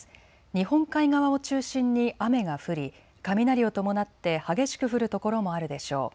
日本海側を中心に雨が降り雷を伴って激しく降る所もあるでしょう。